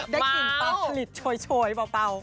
ได้กลิ่นปลาผลิตโชยเปล่าเมาว์